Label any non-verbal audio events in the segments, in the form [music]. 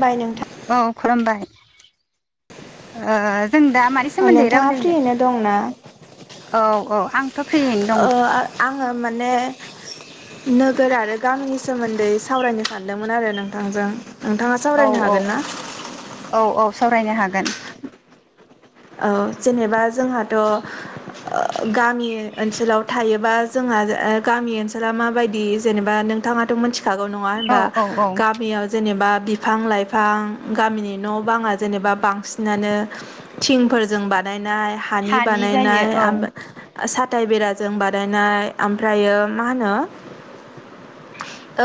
बाय नों औ खुलुमबाय जों दा मानि सोमोन्दै नोंथाङा रावलायनो फ्रियैनो दंना औ औ आंथ' फ्रियैनो दं ओ आङो माने नोगोर आरो गामिनि सोमोन्दै सावरायनो सानदोंमोन आरो नोंथांजों नोंथाङा औ सावरायनो औ हागोन ना? औ औ सावरायनो हागोन औ जेनेबा जोंहाथ' अ गामि ओनसोलाव थायोबा जोंहा गामि ओनसोला माबायदि जेनेबा नोंथाङाथ' मिथिखागौ नङा औ होनोमबा औ औ गामियाव जेनेबा बिफां लाइफां गामिनि न' बाङा जेनेबा बांसिनानो थिंफोरजों बानायनाय हानि जायो बानायनाय औ आमबाय साथ थाय बेराजों बानायायनाय ओमफ्रायो मा होनो ओ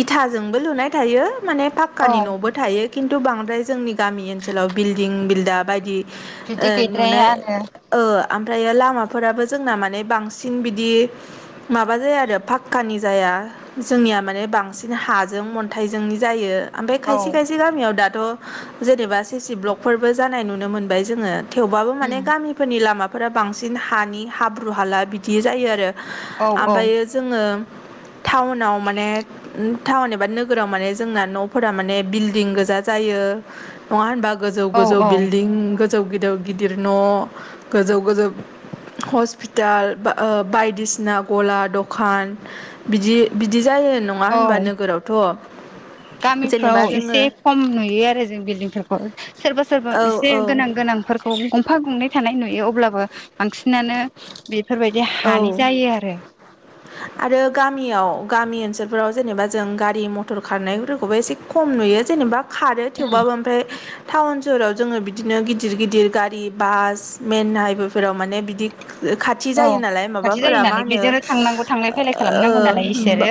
इथाजोंबो लुनाय थायो माने औ पाक्कानि न'बो थायो खिन्थु बांद्राय जोंनि गामि ओनसोलाव बिल्डिं बिल्दा बायदि बिदि ओ नुना गैद्राया आरो ओ ओमफ्रायो लामाफोराबो जोंना माने बांसिन बिदि माबा जाया आरो फाखकानि जाया आ जोंनिया माने बांसिन हाजों अन्थाइजोंनि जायो ओमफ्राय औ खायसे खायसे गामियाव दाथ' जेनेबा सिसि ब्लकफोरबो जानाय नुनो मोनबाय जोङो। थेवबाबो माने उम गामिफोरनि लामाफोरा बांसिन हानि हाब्रु हाला बिदि जायो आरो औ औ ओमफ्रायो जोङो टाउनाव माने उ टाउन एबा नोगोराव माने जोंना न'फोरा माने बिल्डिं गोजा जायो नङा होनबा गोजौ औ गोजौ औ बिल्डिं गोजौ गिदौ गिदिर न' गोजौ गोजौ हस्पिटाल बा ओ बायदिसिना गला दखान बिदि बिदि जायो नङा होनबा औ नोगोरावथ' गामिफ्राव जेनेबा जोङो एसे खम नुयो आरो जों बिल्डिंफोरखौ सोरबा सोरबा औ एसे औ गोनां गोनां फोरफोरखौ गंफा गंनै थानाय नुयो अब्लाबो बांसिनानो बेफोरबायदि हानि औ जायो आरो आरो गामियाव गामि ओनसोलफोराव जेनेबा जों गारि मथर खारनायफोरखौबो एसे खम नुयो जेनेबा खारो थेवबाबो ओमफ्राय टाउन सोहराव जोङो बिदिनो गिदिर गिदिर गारि बास मईन हाइवेफोराव माने बिदि खाथि औ जायो नालाय खाथि जायो माबाफोरा मा नालाय होनो बेजोंनो थांनांगौ थांलाय फैलाय खालामनांगौ ओ नालाय बा इसोरो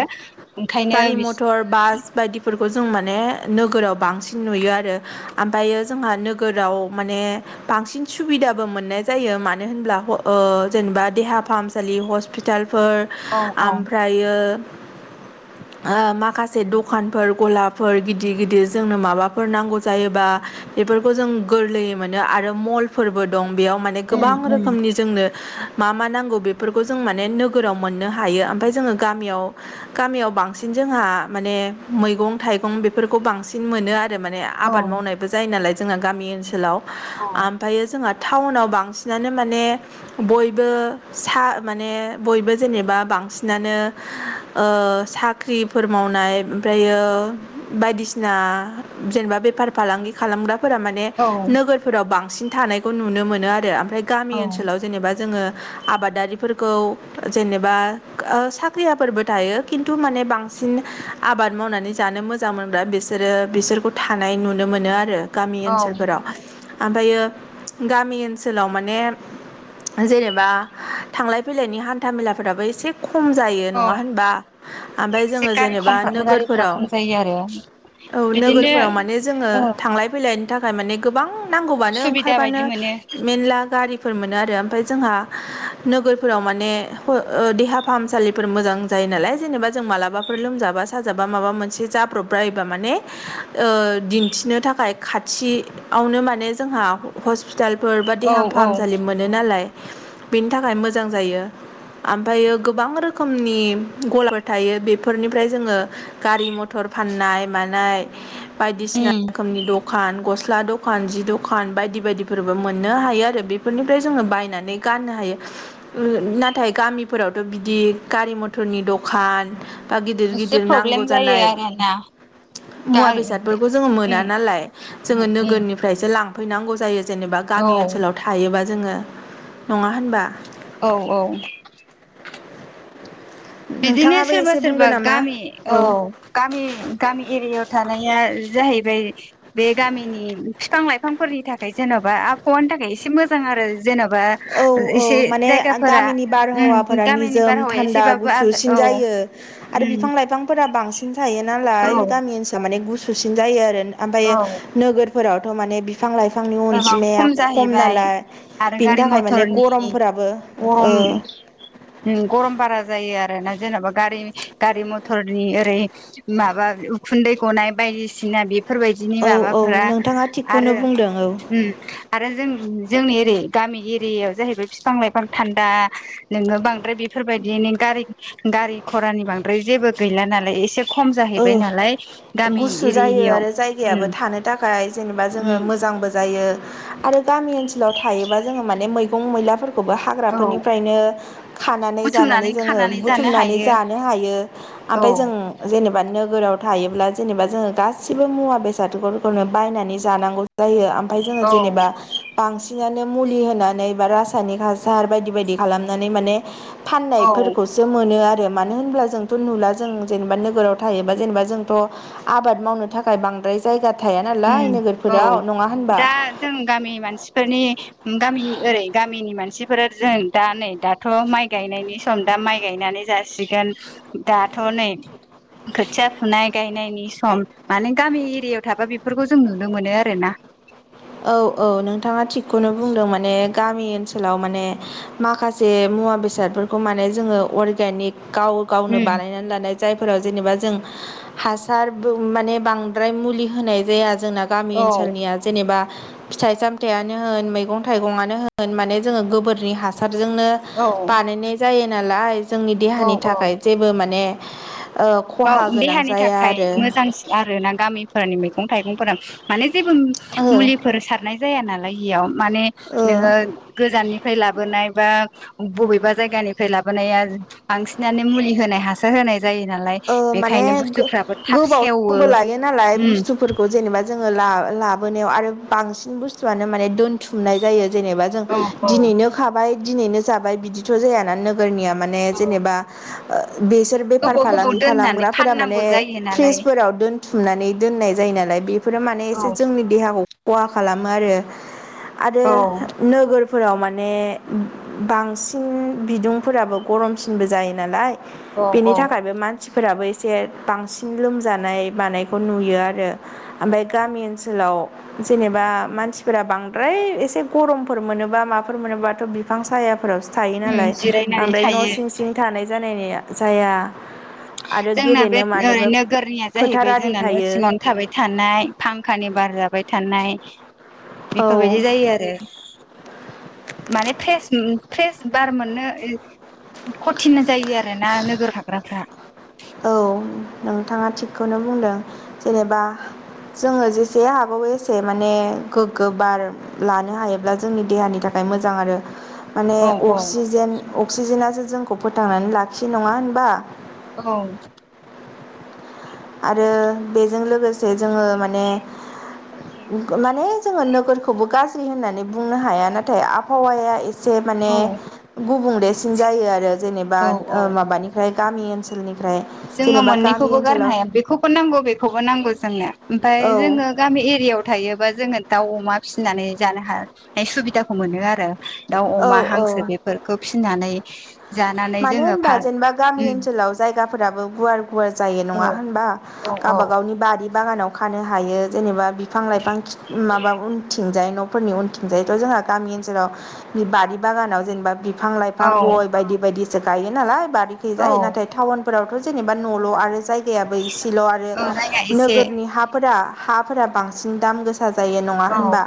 ओंखायनो गारि बिस मथर बास बायदिफोरखौ जों माने नोगोराव बांसिन नुयो आरो आमफायो जोंहा नोगोराव माने बांसिन सुबिदाबो मोनाय जायो मानो होनब्ला ह ओ जेनेबा देहा फाहामसालि हस्पिताल फोर औ औ ओमफ्रायो ओ माखासे दखानफोर गलाफोर गिदिर गिदिर जोंनो माबाफोर नांगौ जायोबा बेफोरखौ जों गोरलैयै मोनो आरो मलफोरबो दं बेयाव माने गोबां उम उम रोखोमनि जोंनो मा मा नांगौ बेफोरखौ जों माने नोगोराव मोननो हायो ओमफाय जोङो ग गामियाव बांसिन जोंहा माने मैगं थाइगं बेफोरखौ बांसिन मोनो आरो माने औ आबाद मावनायबो जायो नालाय जोंना गामि ओनसोलाव औ ओमफायो जोंहा टाउनाव बांसिनानो माने बयबो सा माने बयबो जेनेबा बांसिनानो ओ साख्रिफोर मावनाय ओमफ्रायो बायदिसिना जेनेबा बेफार फालांगि खालामग्रा फोरा माने औ नोगोरफोराव बांसिन थानायखौ नुनो मोनो आरो ओमफ्राय गामि औ ओनसोलाव जेनेबा जोङो आबादारिफोरखौ जेनेबा ओ साख्रियाफोरबो थायो खिन्थु माने बांसिन आबाद मावनानै जानो मोजां मोन बिसोरो बिसोरखौ थानाय नुनो मोनो आरो गामि औ ओनसोलफोराव ओमफ्रायो गामि ओनसोलाव माने जेनेबा थांलाय फैलायनि हान्था मेलाफोराबो एसे खम जायो औ नङा होनबा ओमफाय एसे जोङो गारि जेनेबा खम गारिफ्रा नोगोरफोराव खम जायो आरो औ बिदिनो नोगोरफोराव माने जोङो औ थांलाय फैलाय थाखाय माने गोबां नांगौबनो सुबिदा ओंखारबानो बायदि मोनो मेनला गारि फोर मोनो आरो ओमफाय जोंहा नोगोरफोराव माने फो ओ देहा फाहामसालिफोर मोजां जायो नालाय जेनेबा जों मालाबाफोर लोमजाबा साजाबा माबा मोनसे जा जाब्रब्रायोबा माने दिन्थिनो थाखाय खाथिआवनो माने जोंहा हस्पिटालफोर बा औ देहा औ फाहामसालि मोनो नालाय बेनि थाखाय मोजां जायो ओमफ्रायो गोबां रोखोमनि गलाफोर थायो बेफोरनिफ्राय जोङो गारि मथर फाननाय मानाय बायदिसिना उम रोखोमनि दखान गस स्ला दखान जि दखान बायदि बायदि फोरबो मोनो नाथाय गामिफोरावथ' बिदि गारि मथरनि दखान बा गिदिर एसे गिदिर नांगौ प्रब्लेम जायो जानाय आरोना मुवा गारि बेसादफोरखौ जोङो मोना उम नालाय जोङो उम उम नोगोरनिफ्रायसो लां फैनांगौ जायो जेनेबा औ गामि ओनसोलाव थायोबा जोङो नङा होनबा औ औ बिदिनो नोंथाङाबो सोरबा एसे बुंदो सोरबा नामा गामि औ गामि गामि एरियायाव थानाया जाहैबाय बे गामिनि बिफां लाइफांफोरनि थाखाय जेन'बा आबहावानि थाखाय एसे मोजां आरो जेन'बा औ औ एसे माने जायगाफोरा गामिनि उम गामिनि बारहावाया एसेबाब सुसिन जायो आरो बिफां लाइफांफोरा बांसिन थायो औ नालाय गामि ओनसोलाव माने गुसुसिन जायो आरो ओम औ नोगोरफोरावथ' माने बिफां लाइफांनि जाबाव अनजिमाया खम जाहैबाय नालाय आरो बिनि गारि थाखाय माने मथरनि गरमफोराबो ओ गरम उम गरम बारा जायो आरो जेनबा गारि गारि मथरनि ओरै माबा उखुन्दै गनाय बायदिसिना बेफोरबायदिनि औ औ माबाफोरा नोंथाङा थिगखौनो आरो बुंदों औ उम आरो आरो जों जोंनि एरै गामि एरियायाव जाहैबाय बिफां लाइफां थान्दा नोङो बांद्राय बेफोर फोरबायदिनि गारि गारि खरानि बांद्राय जेबो गैला नालाय एसोर ओ गुसु जायो एरियायाव आरो जायगायाबो उम थानो थाखाय जेनेबा जोङो उम मोजांबो जायो आरो गामि ओनोलाव थायोबा जोङो माने मैगं मैलाफोरखौ फोर खौबो औ हाग्राफोरनिफ्रायनो खानानै जानानै बुथुमनानै जोङो खानानै जानो बुथुमनानै हायो जानो हायो औ आमफाय जों जेनेबा नोगोराव थायोब्ला जेनेबा जोङो गासिबो मुवा बेसादफोरखौनो बायनानै जानांगौ जायो ओमफाय जोङो औ जेनेबा बांसिन बिदिनानो मुलि होनानै बा रासायनिक हासार बायदि बायदि खालामनानै माने औ फाननायफोरखौसो मोनो आरो मानो होनब्ला जोंथ' नुला जों जेनेबा नो नोगोराव थायोबा जेनेबा जोंथ' आबाद मावनो थाखाय बांद्राय जायगा थाया नालाय उम औ नोगोरफोराव नङा होनबा दा जों गामि मानसिफोरनि गामि ओरै गामिनि मानसि बेफोर जों दा नै दाथ' माइ गायनायनि सम दा माइ गायनानै जासिगोन दाथ' थ'नै खोथिया फुनाय गायनायनि सम माने गामि एरियायाव थाबा बेफोर बेफोरखौ जों नुनो मोनो आरोना औ औ नोंथाङा थिगखौनो बुंदों माने गामि ओनसोलाव माने माखासे मुवा बेसादफोरखौ माने जोङो अर्गेनिक गाव गावनो बानायनानै लानाय जायफोराव जेनेबा जों हासार माने बांद्राय मुलि होनाय जाया। जोंना गामि औ ओनसोलनिया जेनेबा फिथाइ सामथाइयानो होन मैगं थाइगंआनो होन माने जोङो गोबोरनि हासार हासारजोंनो औ बानायनाय जायो नालाय जोंनि औ देहानि औ थाखाय जेबो माने ओ गाव खहा गोनां देहानि जाया थाखाय आरो मोजांसिन आरोना गामिफोरनि मैगं थाइगंफोरा माने जेबो ओ मुलिफोर सारनाय जाया नालाय बेयाव माने नोङो ओ गोजाननिफ्राय लाबोनाय बा बबेबा जायगानिफ्राय लाबोनाया बांसिनानो मुलि होनाय हासार होनाय जायो नाला नालाय बेखायनो बुस्थुफ्राबो थाब सेव बो लायो नालाय बुस्थुफोरखौ जेनेबा जोङो ला लाब बोनायाव आरो बांसिन बुस्थुआनो माने दोनथुमनाय जायो जेनेबा जों औ औ दिनैनो खाबाय दिनैनो जाबाय बिदिथ' जायाना नोगोरनिया माने औ जेनेबा बेसोर बेफार गोबाव गोबाव फालांगि दोननानै खालामग्राफोरा माने फाननांगौ जायो नालाय फ्रिसफोराव दोनथुमनानै दोननाय जायो नालाय बेफोर माने औ एसे जोंनि देहाखौ खहा खालामो आरो आरो औ नोगोर फोराव माने बांसिन बिदुंफोराबो गरमसिनबो जायो नालाय औ बेनि औ थाखायबो मानसिफोराबो एसे बांसिन लोमजानाय मानायखौ नुयो आरो ओमफ्राय गामिनि ओनसोलाव जेनेबा मानसिफोरा बांद्राय एसे गरमफोर मोनोबा माफोर मोनोबाथ' बिफां सायाफोरावसो थायो उम नालाय जिरायनानै बांद्राय न' थायो सिं सिं थानाय जानाय जाया आरो जोंना बे गेलेनो ओरै मानोबो नोगोरनिया फोथार जाहैबाय आरि जोंना न' थायो सिङावनो थाबाय थानाय फांखानि बार जाबाय थानाय चनाय औ बेफोरबायदि जायो आरो माने फ्रेस फ्रेस बार मोननो खथिन जायो आरोना नोगोराव थाग्राफ्रा औ नोंथाङा थिगखौनो बुंदों जेनेबा जोङो जेसे हागौ एसे माने गोग्गो बार लानो हायोब्ला जोंनि देहानि थाखाय थाखाय मोजां आरो माने औ औ अक्सिजेन अक्सिजेनासो जोंखौ फोथांनानै लाखियो नङा होनबा? औ आरो बेजों लोगोसे जोङो माने माने जोङो नोगोरखौबो गाज्रि होननानै बुंनो हाया नाथाय आबहावाया एसे एसे माने औ गुबुंलेसिन जायो आरो जेनेबा औ ओ औ माबानिफ्राय गामि ओनसोलनि जोङो मोननैखौबो गारनो हाया बेखौ‌ बेखौबो नांगौ बेखौबो नांगौ जोंनो ओमफ्राय औ जोंङो गामि एरियायाव थायोबा जों जोङो दाउ अमा फिसिनानै जानो हानाय सुबिदाखौ मोनो आरो। दाउ औ अमा हांसो औ बेफोरखौ फिसिनानै जानानै मानो जोङो होनबा फा जेनेबा गामि उम ओनसोलाव जायगाफोरा आंबो गुवार गुवार जायो औ नंङा होमबा औ औ गावबा-गावनि बारि बागानाव खानो हायो जेनेबा बिफां लाइफां माबा उनथिंजाय फोरनि उनथिं जायथ' जोंहा गामि ओनसोलाव बारि बागानाव जेनेबा बिफां औ लाइफां गय बायदि बायदिसो गायो नालाय औ बारिखैजाय नाथाय टाउन फोरावथ' जेनेबा न'ल' आरो जायगायाबो इसेल' आरो औ जायगा एसे नोगोरनि हाफोरा हाफोरा बांसिन दाम गोसा जायो नङा औ होनबा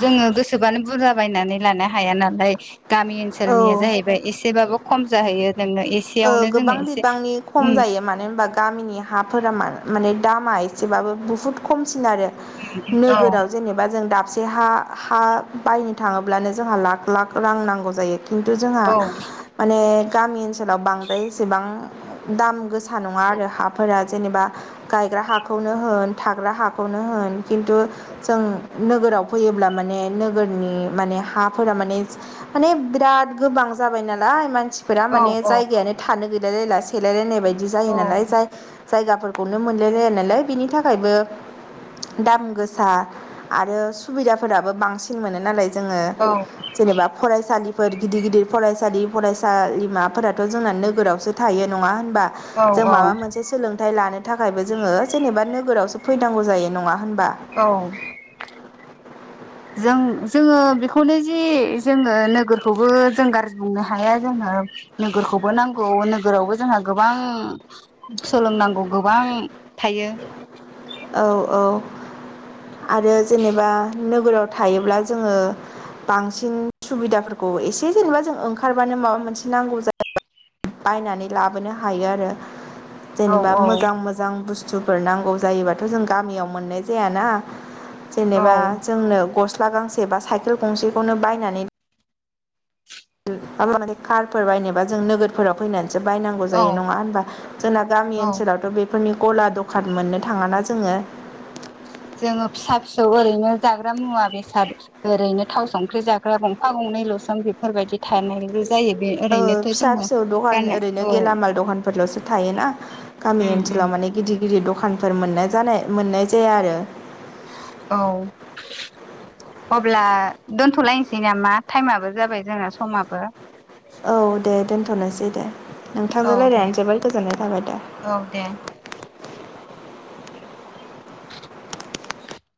जोङो गोसोबानो बुरजा बायनानै लानो हाया नालाय गामि ओनसोलनिया औ जाहैबाय एसेबाबो खम जाहैयो नोंनो ओ एसेयावनो जोङो गोबां एसे बिबांनि खम उम जायो मानो होनबा गामिनि हाफोरा मा माने दामा एसेबाबो बुहुद खमसिन आरो उम औ नोगोराव जेनेबा जों दाबसे हा हा बायनो थाङोब्लानो जोंहा लाख लाख रां नांगौ जायो खिन्थु जोंहा औ माने गामि ओनसोलाव बांद्राय एसेबां दाम गोसा गोसा नङा आरो हाफोरा जेनेबा गायग्रा हाखौनो होन थाग्रा हाखौनो होन किन्थु जों नो गोराव फैयोब्ला माने नोगोरनि माने हाफोरा माने माने बिराद गोबां जाबाय नालाय मानसिफोरा औ माने औ जायगायानो थानो गैलायलायला सेलायलायनाय बायदि जायो औ नालाय जाय जायगाफोरखौनो मोनलायलाया नालाय बिनि थाखायबो दाम गोसा आरो सुबिदाफोराबो बांसिन मोनो नालाय जोङो औ जेनेबा फरायसालिफोर गिदिर गिदिर फरायसालि फरायसालिमाफोरा थ' जोंना नोगोराव सो थायो नङा होनबा औ जों माबा औ मोनसे सोलोंथाइ लानो थाखायबो जोङो जेनेबा नोगोरावसो फैनांगौ जायो नङा होनबा औ जों जोङो बेखौनो जि जोङो नोगोरखौबो जों गाज्रि बुंनो हाया जोङो ओ नोगोरखौबो नांगौ नोगोरावबो जोंहा गोबां सोलोंनांगौ गोबां थायो औ औ आरो जेनेबा नोगोराव थायोब्ला जोङो बांसिन सुबिदाफोरखौ एसे जेनेबा जों ओंखारबानो माबा मोनसे नांगौ जायो बायनानै लाबोनो हायो आरो औ जेनेबा औ मोजां मोजां बुस्थुफोर नांगौ जायोबा बेखौ जों गामियाव मोननाय जायख ना औ जेनेबा जोंनो गस स्ला गांसे बा साइकेल गंसेखौनो बायनानै माबा मोनसे कारफोर बायनोबा जों नोगोरफोराव फैनानै सो बायनांगौ औ जायो नङा होनबा जोंना गामि औ ओनसोलावथ' बे फोरनि गला दखान मोननो थाङा ना जोङो जोङो फिसा फिसौ ओरैनो जाग्रा मुवा बेसाद एसां बेफोरबायदि थानाय ओ फिसा फिसौ दखान ओरैनो औ गेलामाल दखानफोरल'सो थायोना गामि उम उम ओनसोलाव माने गिदिर गिदिर दखानफोर मोननाय जानाय मोननाय जाया आरो औ अब्ला दोनथ'लायनोसै नामा टाइमाबो जाबाय जोंना समाबो औ दे दोनथ'नोसै दे औ नोंथांजों दे रायलायनानै जोबोद गोजोननाय थाबाय दे औ दे [inaudible]